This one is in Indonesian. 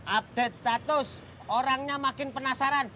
update status orangnya makin penasaran